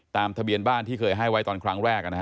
ตามทะเบียนบ้านที่เคยให้ไว้ตอนครั้งแรก